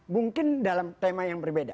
mungkin dalam tema yang berbeda